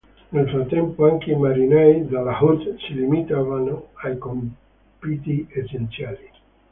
Nel frattempo, anche i marinai della "Hood" si limitavano ai compiti essenziali.